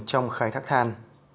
trong khai thác than